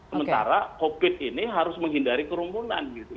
sementara covid ini harus menghindari kerumunan gitu